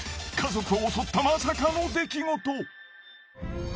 家族を襲ったまさかの出来事！